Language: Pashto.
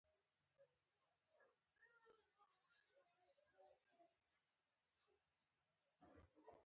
تکامل موږ ته دا وړتیا راکوي.